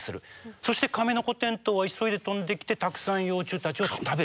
そしてカメノコテントウは急いで飛んできてたくさん幼虫たちを食べる。